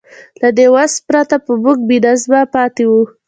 له دې وس پرته به موږ بېنظمه پاتې وو.